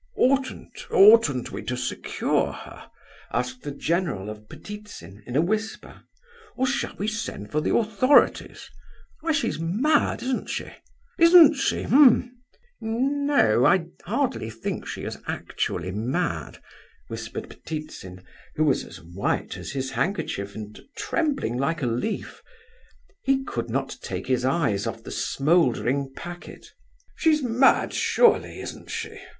"Oughtn't oughtn't we to secure her?" asked the general of Ptitsin, in a whisper; "or shall we send for the authorities? Why, she's mad, isn't she—isn't she, eh?" "N no, I hardly think she is actually mad," whispered Ptitsin, who was as white as his handkerchief, and trembling like a leaf. He could not take his eyes off the smouldering packet. "She's mad surely, isn't she?"